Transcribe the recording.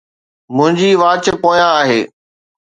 منهنجي واچ پويان آهي